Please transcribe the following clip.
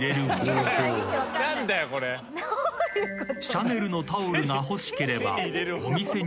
［シャネルのタオルが欲しければ］